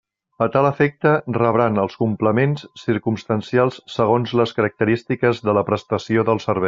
A tal efecte rebran els complements circumstancials segons les característiques de la prestació del servei.